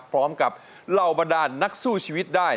พร้อมกับเหล่าบรรดานนักสู้ชีวิตได้